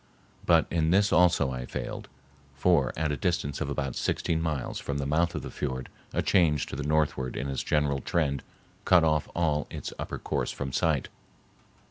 But in this also I failed; for at a distance of about sixteen miles from the mouth of the fiord a change to the northward in its general trend cut off all its upper course from sight.